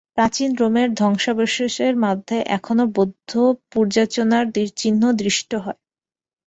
প্রাচীন রোমের ধ্বংসাবশেষের মধ্যে এখনও বৌদ্ধপূজার্চনার চিহ্ন দৃষ্ট হয়।